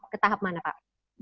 ke tahap mana pak